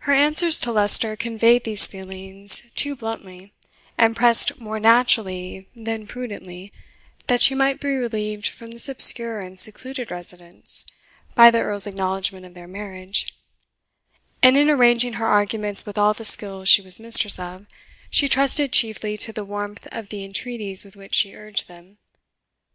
Her answers to Leicester conveyed these feelings too bluntly, and pressed more naturally than prudently that she might be relieved from this obscure and secluded residence, by the Earl's acknowledgment of their marriage; and in arranging her arguments with all the skill she was mistress of, she trusted chiefly to the warmth of the entreaties with which she urged them.